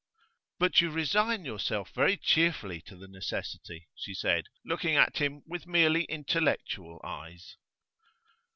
'But you resign yourself very cheerfully to the necessity,' she said, looking at him with merely intellectual eyes.